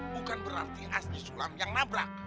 bukan berarti asli sulam yang nabrak